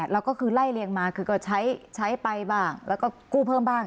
แล้วก็คือไล่เรียงมาคือก็ใช้ไปบ้างแล้วก็กู้เพิ่มบ้าง